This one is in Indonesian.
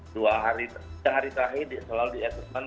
dua hari terakhir selalu di asesmen